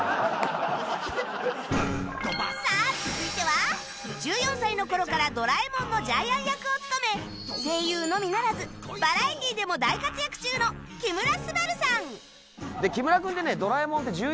さあ続いては１４歳の頃から『ドラえもん』のジャイアン役を務め声優のみならずバラエティーでも大活躍中の木村昴さん